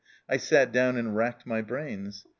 "I sat down and racked my brains.